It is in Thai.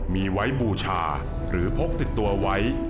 มีไว้บูชาหรือพกติดตัวไว้